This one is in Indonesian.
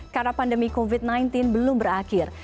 karena pandemi covid sembilan belas belum berakhir